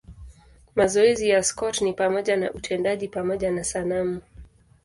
Mazoezi ya Scott ni pamoja na utendaji pamoja na sanamu.